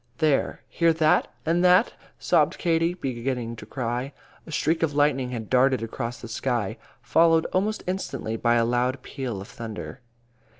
"There! hear that, and that!" sobbed Katie, beginning to cry. A streak of lightning had darted across the sky, followed almost instantly by a loud peal of thunder.